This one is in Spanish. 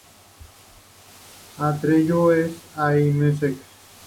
Atreyu en Allmusic